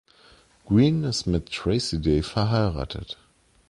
Greene ist mit Tracy Day verheiratet.